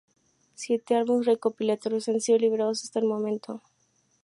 Siete álbumes recopilatorios han sido liberados hasta el momento.